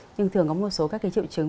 nhưng thường có một số các cái triệu chứng